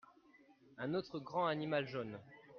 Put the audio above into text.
Un autre grand animal jaune.